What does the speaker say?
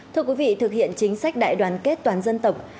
thưa quý vị thực hiện chính sách đại đoàn kết toàn dân tộc